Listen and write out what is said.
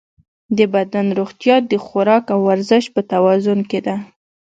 د بدن روغتیا د خوراک او ورزش په توازن کې ده.